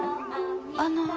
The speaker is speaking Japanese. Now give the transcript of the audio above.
あの。